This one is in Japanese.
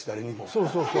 そうそうそう。